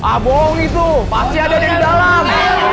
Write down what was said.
ah bohong itu pasti ada di dalam